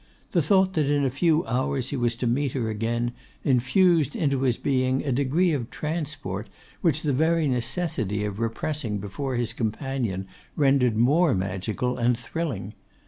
The thought that in a few hours he was to meet her again, infused into his being a degree of transport, which the very necessity of repressing before his companion rendered more magical and thrilling.